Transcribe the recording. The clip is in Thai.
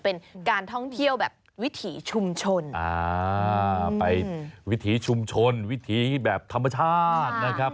เป็นการท่องเที่ยวแบบวิถีชุมชนอ่าไปวิถีชุมชนวิถีแบบธรรมชาตินะครับ